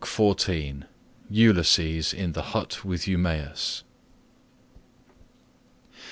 BOOK XIV ULYSSES IN THE HUT WITH EUMAEUS.